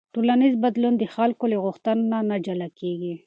ټولنیز بدلون د خلکو له غوښتنو نه جلا نه کېږي.